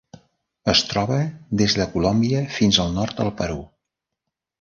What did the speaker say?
Es troba des de Colòmbia fins al nord del Perú.